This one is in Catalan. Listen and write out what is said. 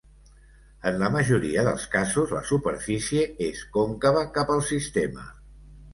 En la majoria dels casos la superfície és còncava cap al sistema.